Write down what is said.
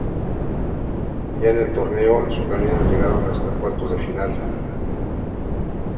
Ya en el torneo, los ucranianos llegaron hasta cuartos de final.